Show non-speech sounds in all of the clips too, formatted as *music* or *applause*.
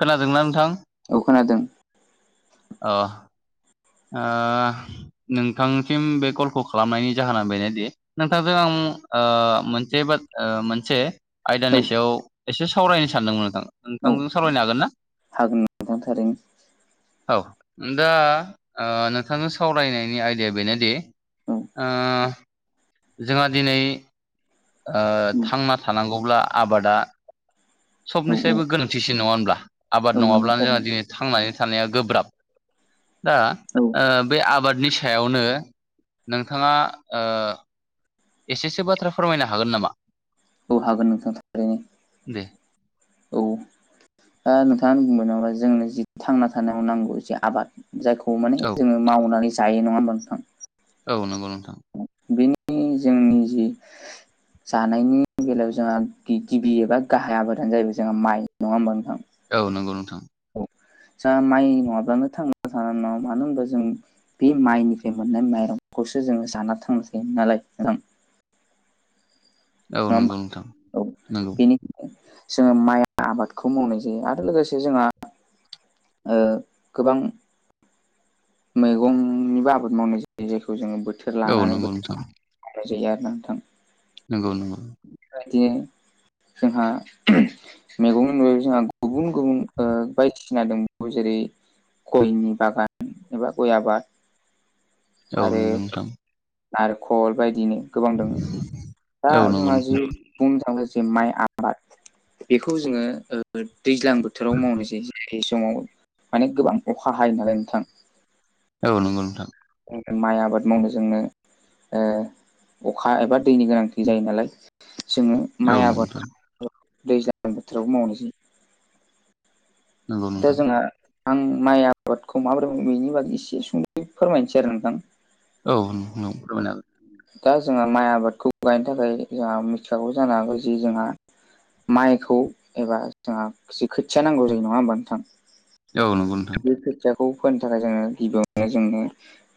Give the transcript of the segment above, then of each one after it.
खोनादोंना नोंथां? औ खोनादों। अ। ओ नोंथांसिम बे कलखौ खालामनायनि जाहोना बेनोदि नोंथांजों आं ओ मोनसे बा मोनसे औ आयदानि सायाव एसे सावरायनो सानदोंमोन नोंथां। औ नोंथांजों सावरायनो हागोन ना हागोन नोंथां थारैनो औ दा ओ नोंथांनो सावरायनायनि आयदाया बेनोदि औ ओ जोंहा दिनै थांना थानांगौब्ला आबादा औ सबनिसायबो गोनांथिसिन नङा होनब्ला औ आबाद नंगौ नङाब्लानो जोंहा थारैनो दिनै थांनानै थानाया गोब्राब। दा औ ओ बे आबादनि सायावनो नोंथाङा ओ एसेसो बाथ्रा फोरमायनो हागोन नामा? औ हागोन नोंथां थारैनो। दे औ दा नोंथाङा बुंबाय *unintelligible* जोंनो जि थांना थानायाव नांगौ ज आबाद जायखौ माने औ जोङो मावनानै जायो नङाा नोंथां? औ नंगौ नोंथां। ओ जोंनि जि जानायनि बेलायाव जोंहा गिबि एबा गाहाय आबादानो जाहैबाय जोंहा माइ नङा होमबा नोंथां? औ नंगौ नोंथां। औ जोंहा माइ नङाब्लानो थांना थांनो हानय नङा मानो होनबा जों बे माइनिफ्राय मोननाय माइरंखौसो जोङो जाना थां थायो नालाय नोंथां। औ होमबा नंगौ नोंथां औ नोंगौ बेनि जोङो माइ आबादखौ मावनाय जायो आरो लोगोसे जोंहा ओ गोबां मैगंनिबो आबाद मावनाय जायो जायखौ जोङो बोथोर औ लानानै नंगौ बोथोर नोंथां मावनाय जायो आरो ना नोंथां। नोंगौ नोंगौ। बेबायदि जोंहा मेगंनि नुयो जोंहा गुबुन गुबुन ओ बायदिसिना दंबो जेरै गयनि बागान एबा गय आबाद औ आरो नंगौ नोंथां नारेखल बायदिनो गोबां दोङो दा औ नंगौ जोंहा जि नोंथां बुंनो थाङोब जे माइ आबाद बेखौ जोङो दैज्लां बोथोराव मावनाय जायो। बे समाव माने गोबां अखा हायो नालाय नोंथां औ नोंगौ नोंथां। जों माइ आबाद मावनो जोंनो ओ अखा एबा दैनि गोनांथि जायो नालाय जोङो औ माइ नंगौ नोंथां आबाद दैज्लां बोथोरावबो मावनाय जायो। नंगौ दा नोंथां जोंहा आं माइ आबादखौ माबोरै बेनि बागै एसे सुंद फोरमायनोसै आरो नोंथां। औ फोरमायनो हागोन। दा जोंहा माइ आबादखौ गायनो थाखाय जोंहा मिथिखागौ जानो हागौ जि जोंहा माइखौ एबा जोंहा खोथिया नांगौ जायो नङा होमबा नोंथां? औ नंगौ नोंथां। बे खोथियाखौ फोनो थाखाय जोङो गिबियावनो जोंनो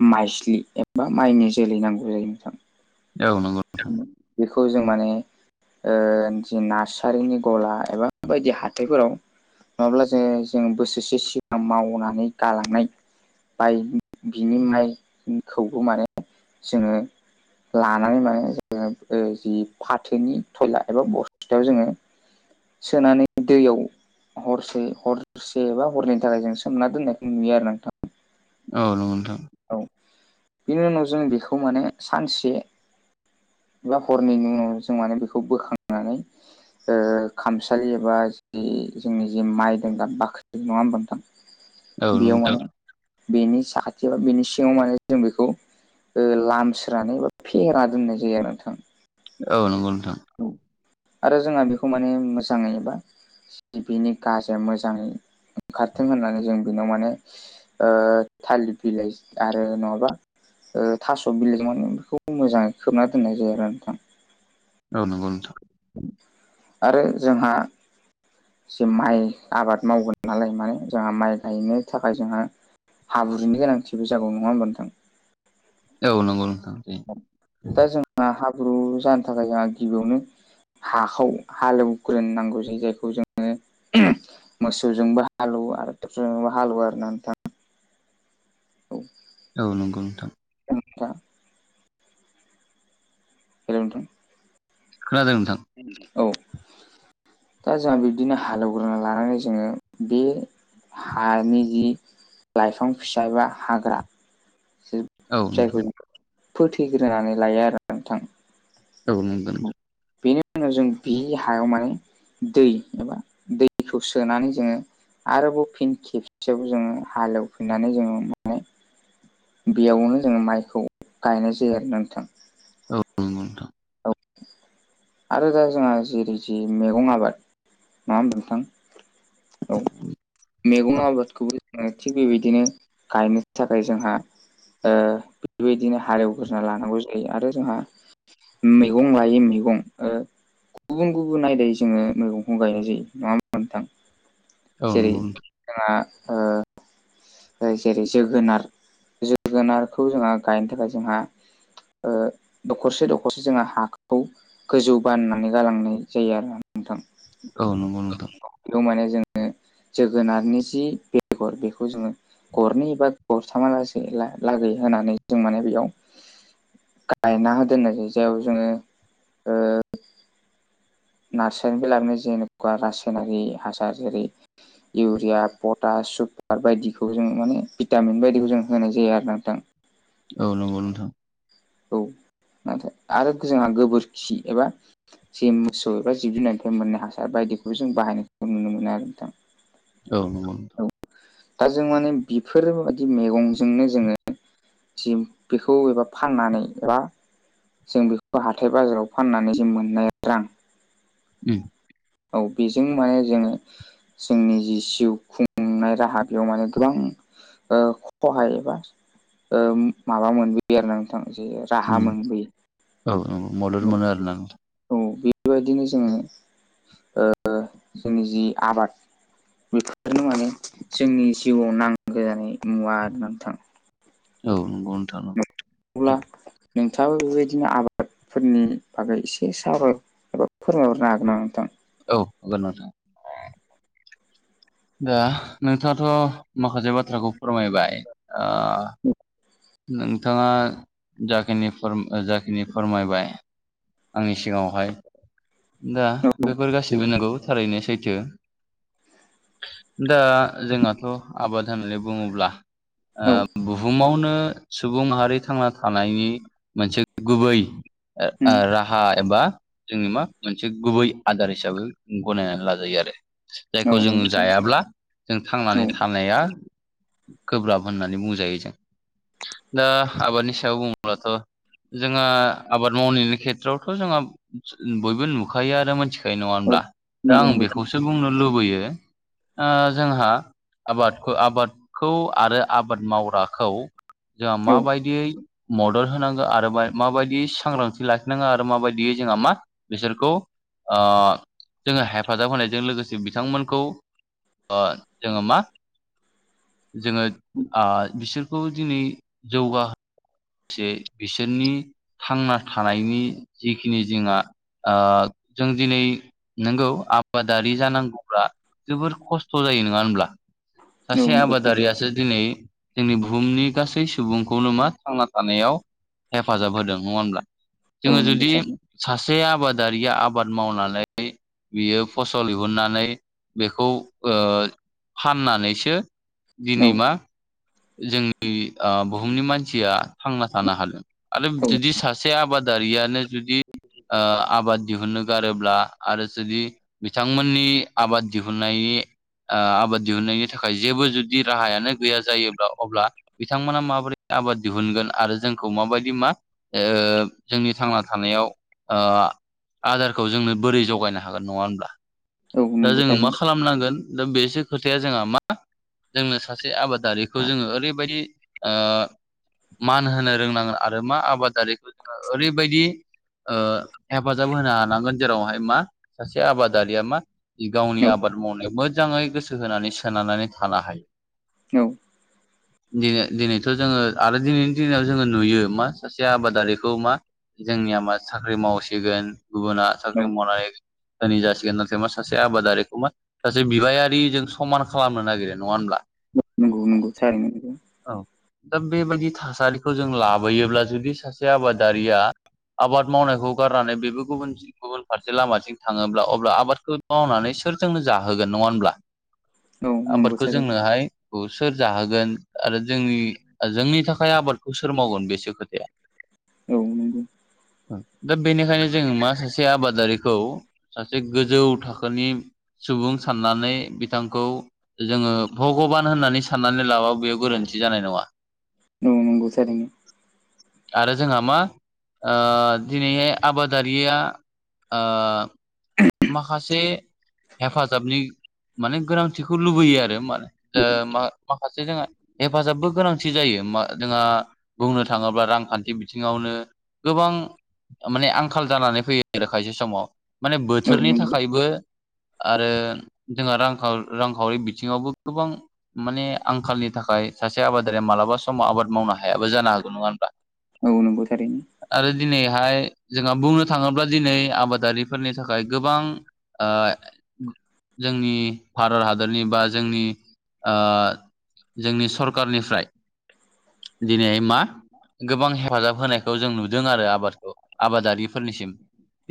माइज्लि एबा माइनि जोलै नांगौ जायो नोंथां। औ नंगौ। बेखौ जों माने ओ जि नारसारिनि गला एबा बायदि हाथाइफोराव नङाब्ला जों जों बोसोरसे सिगां मावनानै गालांनाय माइ बिनि माइखौबो माने जोङो लानानै माने जि फाथोनि थयला एबा बस्थायाव जोङो सोनानै दैयाव हरसे हरसेबा हरनैनि थाखाय जों सोमना दोननायखौ नुयो आरो नोंथां। औ नंगौ नोंथां। औ बेनि उनाव जों बेखौ माने सानसे एबा हरनैनि उनाव जों माने बेखौ बोखांनानै ओ खामसालि एबा जि जोंनि जे माइ दोनग्रा बाख्रि नङा होनबा नोंथां? औ बेयाव नंगौ नोंथां माने बेनि साखाथियाव बेनि सिङाव माने जों बेखौ लामस्रानै फेहेरना दोननाय जायो आरो नोंथां। औ नंगौ नोंथां। औ आरो जोंहा बेखौ माने मोजाङै एबा बिनि गाजाया मोजांङै ओंखारथों होननानै जों बेनाव माने ओ थालिर बिलाइ आरो नङाबा ओ थास' बिलाइजों माने बेखौ मोजाङै खोबना दोननाय जायो आरो नोंथां। औ नंगौ नोंथां। आरो जोंहा जे माइ आबाद मावगोन नालाय माने जोंहा माइ गायनो थाखाय जोंहा हाब्रुनि गोनांथिबो जागौ नङा होमबा नोंथां। औ नंगौ। नोंथां दा जोंना हाब्रु जानो थाखाय जोंहा गिबियावनो हाखौ हालेवग्रोनोनांगौ जायो। जायखौ जोङो मोसौजोंबो हालौवो आरो ट्रेक्टरजोंबो हालौवो आरोना नोंथां। औ नंगौ नोंथां। औ नोंथां हेल' नोंथां? खोनादों नोंथां। औ दा जोंहा बिब्दिनो हालेवग्रोना लानानै जोङो बे हानि जि लाइफां फिसा एबा हाग्रा औ नोंथां जायखौ फोथैग्रोनानै लायो आरो नोंथां। औ नंगौ नोंथां। बेनि उनाव जों बि हायाव माने दै एबा दैखौ सोनानै जोङो आरोबाव फिन खेबसेयाव जोङो हालेवफिननानै जोङो माने बेयावनो जोङो माइखौ गायनाय जायो आरोना नोंथां। औ नंगौ नोंथां। औ आरो दा जोंहा जेरै जे मैगं आबाद नङा होमबा नोंथां औ मैगं आबादखौबो जोंहा थिग बेबायदिनो गायनो थाखाय जोंहा ओ बेबायदिनो हालेवग्रोना लानांगौ जायो आरो जोंहा मैगं लायो मैगं ओ गुबुन गुबुन आयदायै जोङो मैगंखौ गायनाय जायो नङा होमबा नोंथां औ जेरै नंगौ नोंथां जोंहा ओ जेरै जोगोनार जोगोनारखौ जोंहा गायनो थाखाय जोंहा ओ दखरसे दखरसे जोङो हाखौ गोजौ बाननानै गालांनाय जायो आरो नोंथां औ नंगौ नोंथां बेयाव माने जोङो जोगोनारनि जि बेगर बेखौ जोङो गरनै एबा गरथामा लासै लागै होनानै जों माने बेयाव गायना दोननायनि सायाव जोङो नार्सारिनिफ्राय लानानै जेनेखा रासायनारि हासार जेरै इउरिया पटास सुगार बायदिखौ जों माने भिटामिन बायदिखौ जों होनाय जायो आरोना नोंथां औ नंगौ नोंथां औ *inaudible* नाथाय आरो जोंहा गोबोरखि एबा जे मोसौ एबा जिब जुननिफ्राय मोननाय हासार बायदिखौबो जों बाहायनायखौ नुनो मोनो आरो नोंथां औ नंगौ दा जों माने बेफोरबायाददि मैगंजोंनो जोङो जि बेखौ एबा फाननानै एबा जों बेखौ हाथाय बाजाराव फाननानै जों मोननाय रां उम औ बेजों माने जोङो जोंनि जि जिउ खुंनाय राहा बेयाव माने गोबां खहाय एबा माबा मोनबोयो आरो ना नोंथाङा जे राहा उम मोनबोयो औ औ मदद मोनो आरो ना नोंथां औ बेबायदिनो जोङो ओ जोंनि जि आबाद बेफोरनो माने जोंनि जिउआव नांगौ जानाय मुवा होननानै थाङो औ नंगौ नोंथां अब्ला नोंथाङाबो बेबायदिनो आबादफोरनि बागै एसे सावरायनो बा फोरमायहरनो हागोन ना नोंथां औ हागोन नोंथां दा नोंथाङाथ' माखासे बाथ्राखौ फोरमायबाय ओ *unintelligible* नोंथाङा जाखिनि जाखिनि फोरमायबाय आंनि सिगाङावहाय दा बेफोर गासैबो नंगौ थारैनो सैथो दा जोंहाथ' आबाद होननानै बुङोब्ला ओ बुहुमावनो सुबुं माहारि थांना थानायनि मोनसे गुबै ओ राह हा एबा जोंनि मा मोनसे गुबै आदार हिसाबै गनायनानै लाजायो आरो जायखौ जों नोंथां? जायाब्ला जों औ थांनानै थानाया गोब्राब होननानै बुंजायो जों दा आबादनि सायाव बुङोब्लाथ' जोङो आबाद मावनायनि खेथ्रआवथ' जोंहा बयबो नुखायो आरो मोनथिखायो नङा औ नंगौ औ होनब्ला दा नंगौ आं नंगौ बेखौसो बुंनो लुबैयो जोंहा आबादखौ आबादखौ आरो आबाद मावग्राखौ जोंहा औ माबायदियै मदद होनांगो आरो माबायदि सांग्रांथि लाखिनांगो आरो माबायदि जोंहा मा बिसोरखौ जोङो हेफाजाब होनायजों लोगोसे बिथांमोनखौ। जोङो मा जोङो बिसोरखौ दिनै जौगा। एसे बिसोरनि थांना थानायनि जिखिनि जोंहा। जों दिनै नोंगौ आबादारि जानांगौब्ला जोबोर खस्थ' जायो नङा होनब्ला औ सासे नंगौ आबादारियासो दिनै जोंनि बुहुमनि गासै सुबुंखौनो मा थांना। थानायाव हेफाजाब होदों नङा होमब्ला औ जोङो नंगौ जुदि थारैनो सासे आबादारिया आबाद मावनानै। बियो फसल दिहुननानै बेखौ फाननानैसो। दिनिमा जोंनि बुहुमनि मानसिया थांना थानो हादों आरो औ जुदि सासे आबाद दारियानो जुदि आबाद दिहुनो गारोब्ला आरो जुदि बिथांमोननि आबाद दिहुननाय। आबाद दिहुननायनि थाखाय जेबो जुदि राहायानो गैया जायो। अब्ला बिथांमोना माबोरै आबाद दिहुनगोन आरो जोंखौ माबायदि मा जोंनि थांना थानायाव आदारखौ जोंनो बोरै जगायनो हागोन नङा होनोमब्ला। औ दा नंगौ जोङो मा थारैनो खालामनांगोन दा बेसो खोथाया जोंहा मा जोंनो सासे आबादारिखौ जोङो ओरैबायदि ओ मान होनो रोंनांगोन आरो मा आबादारिखौ जोङो ओरैबायदि ओ हेफाजाब होनो हानांगोन जेरावहाय मा सासे आबादारिया मा गावनि औ आबाद मावनायाव मोजाङै गोसो होनानै सोननानै थानो हाय। औ *inaudible* दिनै दिनैथ' जोङो आरो दिनैनि दिनाव जोङो नुयो मा सासे आबादारिखौ मा। जोंनिया मा साख्रि मावसिगोन गुबुना औ साख्रि मावनानै दिनि जासिगोन नाथाय मा सासे आबादारिखौमा सासे बिबायारिजों समान खालामनो नागिरो नङा होनब्ला नोंगौ नोंगौ थारैनो नंगौ। औ दा बेबायदि थासारिखौ जों लाबोयोब्ला जुदि सासे आबादारिया आबाद मावनायखौ गारनानै बेबो गुबुन गुबुन फारसे लामाथिं थाङोब्ला अब्ला आबादखौ मावनानै सोरजोंनो जाहोगोन नङा होनब्ला औ नंगौ आबादखौ थारैनो जोंनोहाय सोर जाहोगोन आरो जोंनि जोंनि थाखाय आबादखौ सोर मावगोन बेसो खोथाया। औ नंगौ दा बेनिखायनो जोङो मा सासे आबादारिखौ सासे गोजौ थाखोनि सुबुं साननानै बिथांखौ जोङो भगबान होननानै साननानै लाबा बेयाव। गोरोन्थि जानाय नङा। नोंगौ थारैनो। आरो जोंहा मा ओ दिनैहाय आबादारिया। ओ माखासे हेफाजाबनि माने गोनांथिखौ लुबैयो आरो मा ओ माखासे जोंहा हेफाजाबबो गोनांथि जायो जोंहा बुंनो थाङोब्ला रांखान्थि बिथिङावनो गोबां माने आंखाल जानानै फैयो आरो खायसे समाव माने औ बोथोरनि नंगौ थाखायबो। आरो जोंहा रां रांखावरि बिथिङावबो गोबां। माने आंखालनि थाखाय सासे आबादारिया मालाबा समाव आबाद मावनो हायाबो जानो हागौ नङा होनब्ला। औ नंगौ थारैनो। आरो दिनैहाय जोंहा बुंनो थाङोब्ला दिनै आबादारिफोरनि थाखा थाखाय गोबां ओ जोंनि भारत हादरनि बा जोंनि ओ जोंनि सरखारनिफ्राय दिनै मा गोबां हेफाजाब होनायखौ जों नुदों आरो आबादखौ आबादारिफोरनिसिम।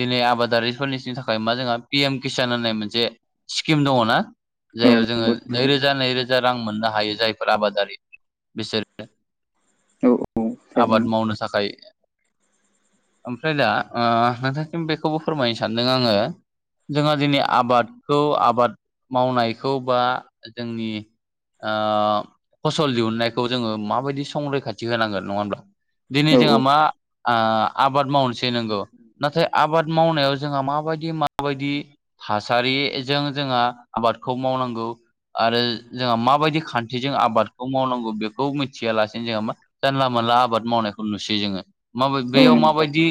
दिनै आबादारिफोरनि थाखाय मा जोंहा पि एम किसान होननाय मोनसे स्किम दङ ना? औ जायाव जोङो नंगौ नैरोजा नैरोजा रां मोननो हायो जायफोर आबादारि बिसोरो। औ आबाद थारैनो मावनो थाखाय। ओमफ्राय दा ओ नोंथांसिम बेखौबो फोरमायनो सानदों आङो जोंहा दिनै आबादखौ आबाद मावनायखौ बा जोंनि ओ फसल दिहुननायखौ जोङो माबायदि संरैखाथि होनांगोन नङा होमब्ला? दिनै औ जोंहा मा ओ आबाद मावनोसै नंगौ नाथाय आबाद मावनायाव जोंहा माबादि माबादि थासारिजों जोंहा आबादखौ मावनांगौ। आरो जोंहा माबायदि खान्थिजों आबादखौ मावनांगौ बेखौ मिथियालासेनो मा जानला मोनला आबाद मावनायखौ नुसै जोङो। माबा औ बेयाव नंगौ माबायदि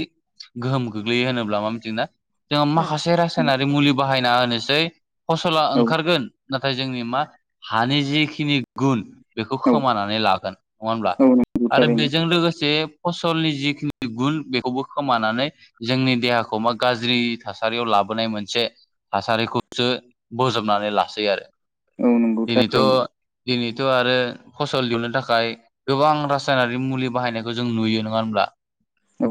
गोहोम गोग्लैयो होनोब्ला मा मिथिगोना? जोङो माखासे रासायनारि मुलि बाहायना होनोसै फसला औ ओंखारगोन नाथाय जोंनि मा हानि जिखिनि गुन बेखौ खोमानानै लागोन। नङा हब्ला औ नंगौ आरो थारैनो बेजों लोगोसे फसलनि जिखिनि गुन बेखौबो खोमानानै जोंनि देहाखौ मा गाज्रि थासारियाव लाबोनाय मोनसे थासारिखौसो बजबनानै लासै आरो औ नंगौ थारैनो दिनैथ' दिनैथ' आरो फसल दिहुननो थाखाय गोबां रासायनारि मुलि बाहायनायखौ जों नुयो नङा होमब्ला? औ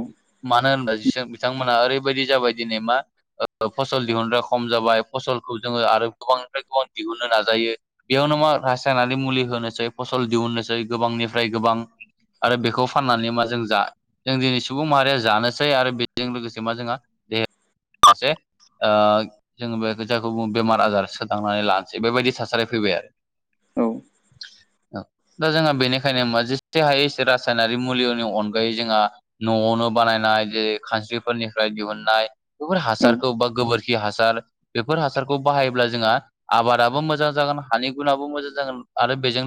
मानो होनब्ला बिथांमोनहा ओरैबायदि जाबाय दिनै मा *inaudible* फसल दिहुनग्रा खम जाबाय फसलखौ जोङो आरो गोबांनिफ्राय गोबां दिहुनो नाजायो बेयावनो मा रासायनारि मुलि होनोसै फसल दिहुननोसै गोबांनिफ्राय गोबां आरो बेखौ फाननानै मा जों जा जों दिनै सुबुं माहारिया जानोसै आरो बेजों लोगोसे मा जोंहा दे *inaudible* ओ जोंबो जायखौ बुङो बेमार आजार सोदांनानै लानोसै बेबायदि थासारि फैबाय आरो। औ। *inaudible* दा जोंहा बेनिखायनो जेसे हायो एसे रासायनारि मुलिनि अनगायै जोंहा नआवनो बानायनाय जेरै खानस्रिफोरनिफ्राय दिहुन नाय बेफोर औ हासारखौ बा गोबोरखि हासार बेफोर हासारखौ बाहायोब्ला जोंहा आबादाबो मोजां जागोन हानि गुुनाबो मोजां जागोन आरो बेजों